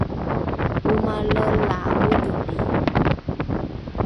omale la ’odholri